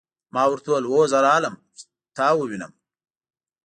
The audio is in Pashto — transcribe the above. ما ورته وویل: هو زه راغلم، چې ته ووینم.